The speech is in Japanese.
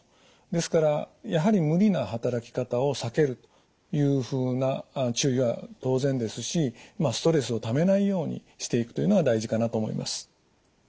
ですからやはり無理な働き方を避けるというふうな注意は当然ですしまあストレスをためないようにしていくというのが大事かなと思います。